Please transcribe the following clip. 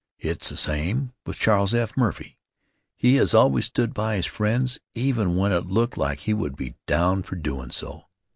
It's the same with Charles F. Murphy. He has always stood by his friends even when it looked like he would be downed for doin' so.